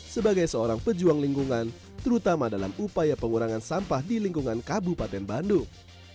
sebagai seorang pejuang lingkungan terutama dalam upaya pengurangan sampah di lingkungan kabupaten bandung